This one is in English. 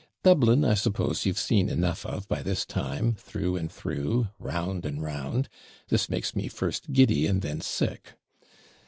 Dublin, I suppose, you've seen enough of by this time; through and through round and round this makes me first giddy and then sick.